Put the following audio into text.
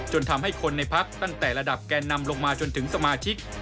ทำให้คนในพักตั้งแต่ระดับแก่นำลงมาจนถึงสมาชิก